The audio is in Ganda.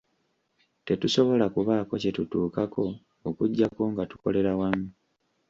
Tetusobola kubaako kye tutuukako okuggyako nga tukolera wamu.